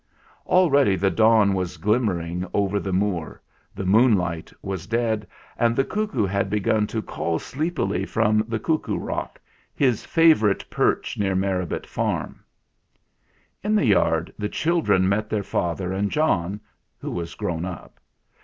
Already the dawn was glimmering over the Moor, the moonlight was dead, and the cuckoo had begun to call sleepily from the "Cuckoo Rock" his favourite perch near Merripit Farm. In the yard the children met their father and John, who was grown up.